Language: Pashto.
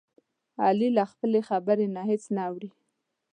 علي له خپلې خبرې نه هېڅ نه اوړوي.